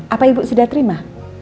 apa ibu sudah terima